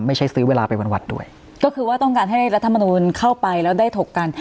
ซื้อเวลาไปวันด้วยก็คือว่าต้องการให้รัฐมนูลเข้าไปแล้วได้ถกกัน